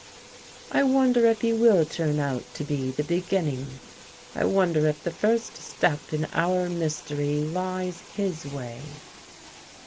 I wonder if he will turn out to be the beginning. I wonder if the first step in our mystery lies his way."